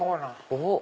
おっ。